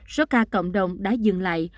số ca cộng đồng đã dừng lại